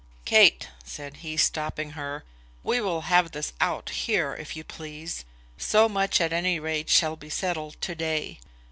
"Kate," said he, stopping her, "we will have this out here, if you please. So much, at any rate, shall be settled to day.